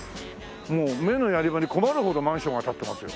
もう目のやり場に困るほどマンションが立ってますよ。